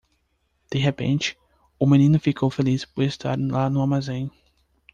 De repente, o menino ficou feliz por estar lá no armazém.